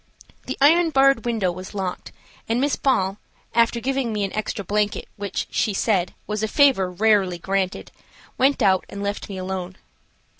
The iron barred window was locked, and Miss Ball, after giving me an extra blanket, which, she said, was a favor rarely granted, went out and left me alone.